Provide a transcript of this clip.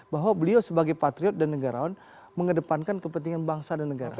bahwa beliau sebagai patriot dan negarawan mengedepankan kepentingan bangsa dan negara